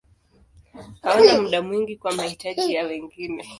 Hawana muda mwingi kwa mahitaji ya wengine.